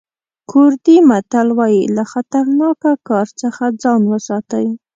کوردي متل وایي له خطرناکه کار څخه ځان وساتئ.